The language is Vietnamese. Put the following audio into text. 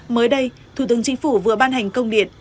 mới đây thủ tướng chính phủ vừa ban hành công điện